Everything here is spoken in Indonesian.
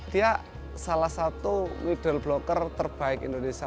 dia salah satu middle blocker terbaik indonesia